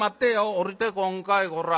「下りてこんかいこら。